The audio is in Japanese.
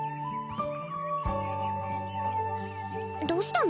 どうしたの？